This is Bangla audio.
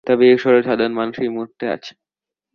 তবে এ শহরে সাধারণ মানুষ এই মুহুর্তে আছে।